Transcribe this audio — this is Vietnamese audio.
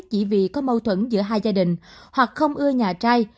chỉ vì có mâu thuẫn giữa hai gia đình hoặc không ưa nhà trai